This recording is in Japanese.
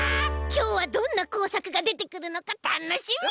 きょうはどんなこうさくがでてくるのかたのしみ！